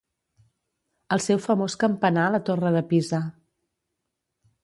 El seu famós campanar la Torre de Pisa.